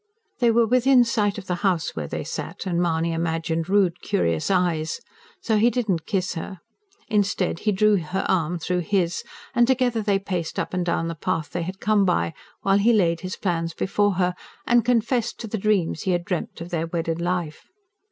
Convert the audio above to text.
They were within sight of the house where they sat; and Mahony imagined rude, curious eyes. So he did not kiss her. Instead, he drew her arm though his, and together they paced up and down the path they had come by, while he laid his plans before her, and confessed to the dreams he had dreamt of their wedded life.